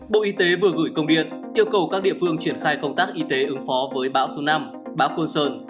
bộ y tế vừa gửi công điện yêu cầu các địa phương triển khai công tác y tế ứng phó với bão số năm bão côn sơn